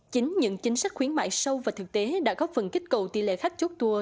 chính những chính sách khuyến mại sâu và thực tế đã góp phần kích cầu tỷ lệ khách chốt tour